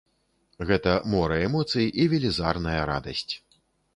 Гэта мора эмоцый і велізарная радасць.